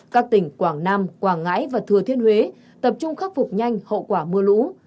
các tỉnh quảng nam quảng ngãi và thừa thiên huế tập trung khắc phục nhanh hậu quả mưa lũ